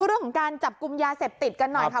เรื่องของการจับกลุ่มยาเสพติดกันหน่อยค่ะ